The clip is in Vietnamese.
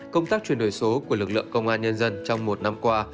công tác chuyển đổi số của lực lượng công an nhân dân trong một năm qua